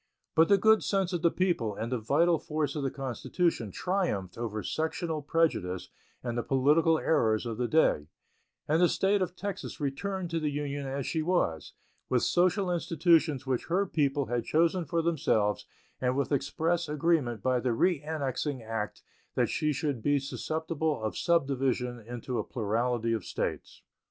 But the good sense of the people and the vital force of the Constitution triumphed over sectional prejudice and the political errors of the day, and the State of Texas returned to the Union as she was, with social institutions which her people had chosen for themselves and with express agreement by the reannexing act that she should be susceptible of subdivision into a plurality of States.